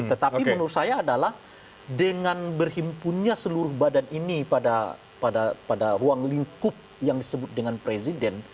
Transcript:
tetapi menurut saya adalah dengan berhimpunnya seluruh badan ini pada ruang lingkup yang disebut dengan presiden